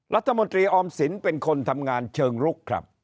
รัฐมนตรีออมสินเป็นคนทำงานเชิงลุกครับ